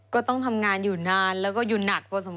ก็ต้องทำงานอยู่นานแล้วก็อยู่หนักกว่าสมควรเลยนะครับ